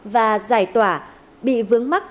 và giải tỏa bị vướng mắt